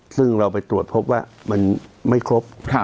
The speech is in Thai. ซึ่งเราไปตรวจพบว่ามันไม่ครบ